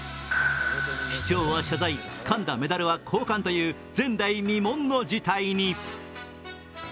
市長は謝罪、かんだメダルは交換という前代未聞の事態に。